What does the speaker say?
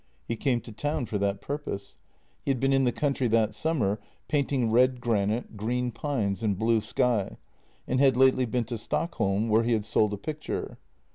He came to town for that purpose. He had been in the country that summer, painting red granite, green pines, and blue sky, and had lately been to Stockholm, where he had sold a picture.